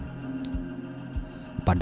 pada bulan jember penerbangan pengiriman